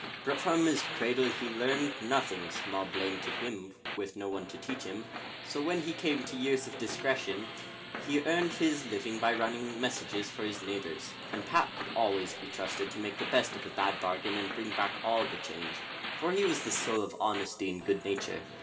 But from his cradle he learned nothing (small blame to him with no one to teach him!), so when he came to years of discretion, he earned his living by running messages for his neighbours; and Pat could always be trusted to make the best of a bad bargain, and bring back all the change, for he was the soul of honesty and good nature.